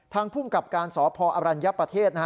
ทางภูมิกับการสอบพออรัญยประเทศ